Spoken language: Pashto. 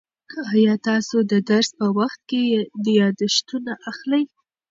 آیا تاسو د درس په وخت کې یادښتونه اخلئ؟